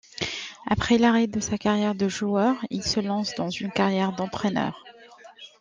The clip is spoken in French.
Après l'arrêt de sa carrière de joueur, il se lance dans une carrière d’entraîneur.